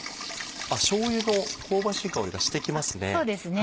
あっしょうゆの香ばしい香りがしてきますね。